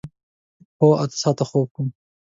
هو، اته ساعته خوب کوم